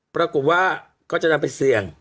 ปรากฏว่าก็จะนำไปเสี่ยง